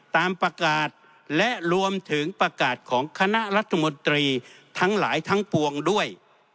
ตามประกาศและรวมถึงประกาศของคณะรัฐมนตรีทั้งหลายทั้งปวงด้วย